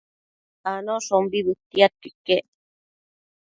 Anoshombi bëtiadquio iquec